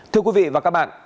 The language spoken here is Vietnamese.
thưa quý vị và các bạn